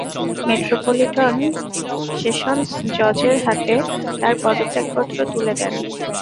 Metropolitan sessions জজের হাতে তাঁর পদত্যাগপত্র তুলে দেন।